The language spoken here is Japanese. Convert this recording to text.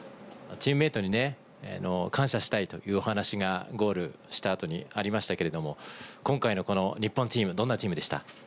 チームメートに感謝したいというお話が、ゴールしたあとにありましたけれども、今回のこの日本チーム、どんなチームでした？